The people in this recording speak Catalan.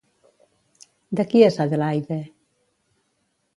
De qui és Adelaide?